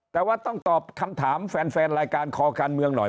แต่ว่าต้องตอบคำถามแฟนรายการคอการเมืองหน่อย